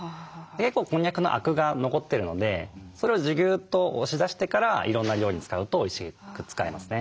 結構こんにゃくのアクが残ってるのでそれをギューッと押し出してからいろんな料理に使うとおいしく使えますね。